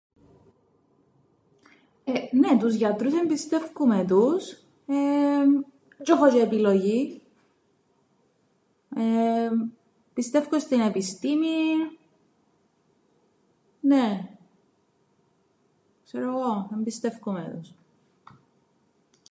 Ε νναι τους γιατρούς εμπιστεύκουμαι τους εεεμ έντζ̆' έχω τζ̆αι επιλογήν πιστεύκω στην επιστήμην νναι ξέρω 'γω εμπιστεύκουμαι τους